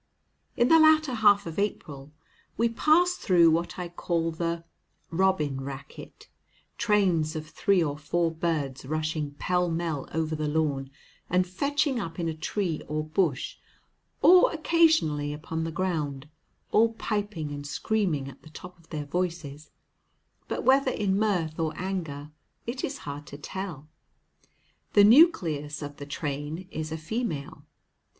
In the latter half of April, we pass through what I call the "robin racket," trains of three or four birds rushing pell mell over the lawn and fetching up in a tree or bush, or occasionally upon the ground, all piping and screaming at the top of their voices, but whether in mirth or anger it is hard to tell. The nucleus of the train is a female.